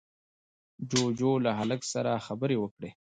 جُوجُو له هلک سره خبرې وکړې.